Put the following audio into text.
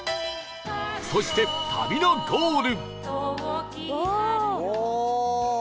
そして旅のゴール